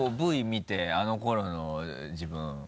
Ｖ見てあの頃の自分。